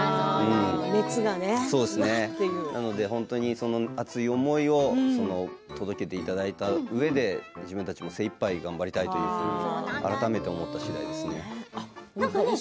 その熱い思いを届けていただいたうえで自分たちも精いっぱい頑張りたいというふうに改めて思った次第ですね。